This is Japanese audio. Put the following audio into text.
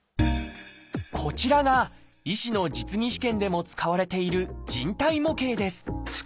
こちらが医師の実技試験でも使われている人体模型です。